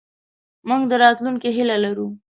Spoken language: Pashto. موږ د راتلونکې هیله لرو.